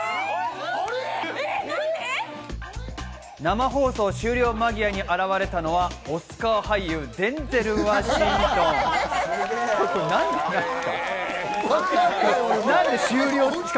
生放送終了間際に現れたのは、オスカー俳優、デンゼル・ワシントンです。